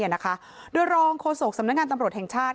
ยอดรองโคสกสำนาคารตำรวจแห่งชาติ